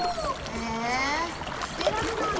えすてられないよ。